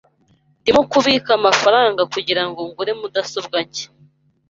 Ndimo kubika amafaranga kugirango ngure mudasobwa nshya.